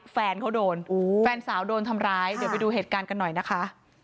แฟนเขาโดนแฟนสาวโดนทำร้ายเดี๋ยวไปดูเหตุการณ์กันหน่อยนะคะ